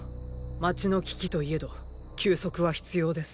街の危機といえど休息は必要です。